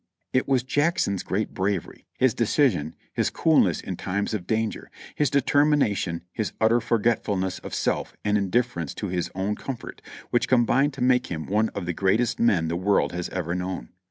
It was Jackson's great bravery, his decision, his coolness in times of danger, his determination, his utter forgetfulness of self and indifference to his own comfort which combined to make him one of the greatest men the world has even known.